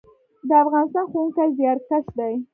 د افغانستان ښوونکي زیارکښ دي